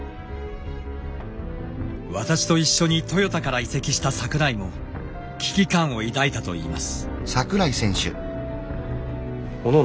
私と一緒にトヨタから移籍した桜井も危機感を抱いたといいます。